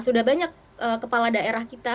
sudah banyak kepala daerah kita